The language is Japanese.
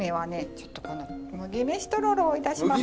ちょっとこの麦飯とろろをいたします。